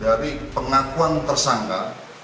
dari pengakuan tersangka